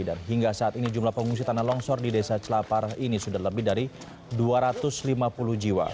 dan hingga saat ini jumlah pengungsi tanah longsor di desa celapar ini sudah lebih dari dua ratus lima puluh jiwa